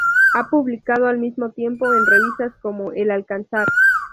Ha publicado al mismo tiempo en revistas como "El Alcázar".